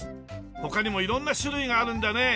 他にも色んな種類があるんだね。